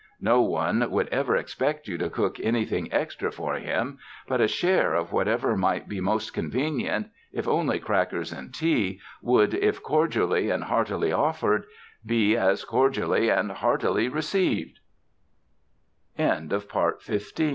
No one would ever expect you to cook anything extra for him, but a share of whatever might be most convenient — if only crackers and tea— would, if cordially and heartily offered, be as cordially